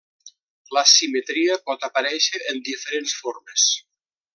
La simetria pot aparèixer en diferents formes.